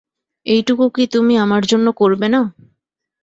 এইটুকু কি তুমি আমার জন্য করবে না?